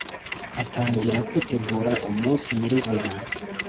atangira kwitegura umunsi nyirizina